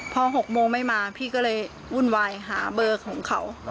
พอ๖โมงไม่มาพี่ก็เลยวุ่นวายหาเบอร์ของเขา